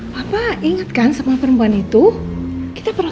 wah di mana sih taruhan nya